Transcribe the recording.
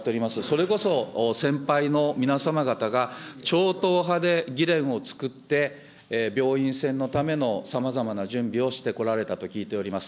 それこそ先輩の皆様方が、超党派で議連をつくって、病院船のためのさまざまな準備をしてこられたと聞いています。